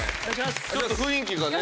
ちょっと雰囲気がね。